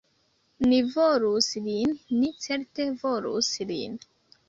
Ni volus lin, ni certe volus lin